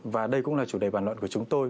và đây cũng là chủ đề bàn luận của chúng tôi